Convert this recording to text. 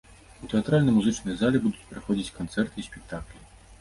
У тэатральна-музычнай зале будуць праходзіць канцэрты і спектаклі.